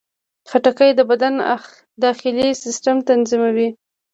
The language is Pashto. خټکی د بدن داخلي سیستم تنظیموي.